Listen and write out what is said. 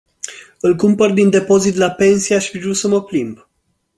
Îl cumpăr din depozit la pensie aș fi vrut să mă plimb.